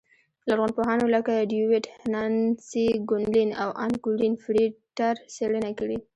لرغونپوهانو لکه ډېوېډ، نانسي ګونلین او ان کورېن فرېټر څېړنه کړې